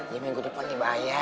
ya minggu depan ini bahaya